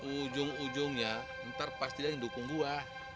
ujung ujungnya ntar pasti ada yang dukung gue